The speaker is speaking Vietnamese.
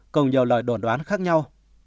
cùng nhiều lời đồn đoán khác nhau